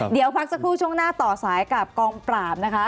เดี๋ยวพักสักครู่ช่วงหน้าต่อสายกับกองปราบนะคะ